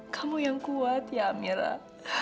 kamu yang kuat ya mira